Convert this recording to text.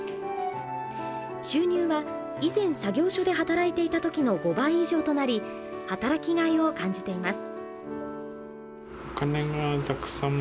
収入は以前作業所で働いていた時の５倍以上となり働きがいを感じています。